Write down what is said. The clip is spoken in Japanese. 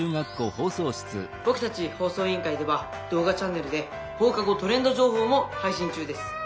僕たち放送委員会では動画チャンネルで『放課後トレンド情報』も配信中です」。